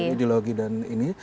ideologi dan ini